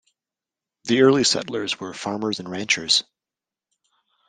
The early settlers were farmers and ranchers.